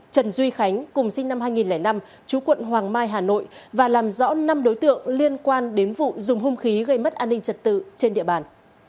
trần duy khánh cùng sinh năm hai nghìn năm chú quận hoàng mai hà nội và làm rõ năm đối tượng liên quan đến vụ dùng hung khí gây mất an ninh trật tự trên địa bàn